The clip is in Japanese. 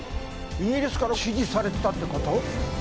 イギリスから指示されてたってこと？